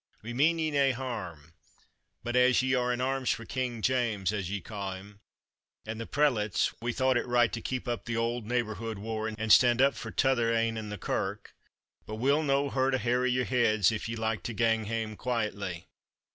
We mean ye nae harm; but, as ye are in arms for King James, as ye ca' him, and the prelates, we thought it right to keep up the auld neighbour war, and stand up for the t'other ane and the Kirk; but we'll no hurt a hair o' your heads, if ye like to gang hame quietly.